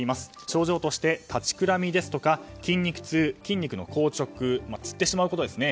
症状として立ちくらみや筋肉痛、筋肉の硬直つってしまうことですね。